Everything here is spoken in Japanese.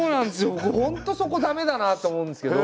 僕本当そこ駄目だなと思うんですけど。